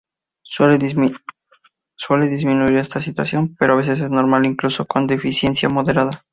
Suele disminuir en esta situación, pero a veces es normal incluso con deficiencia moderada.